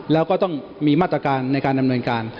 แล้วก็ต้องมีมาตรการในการดำเนินการ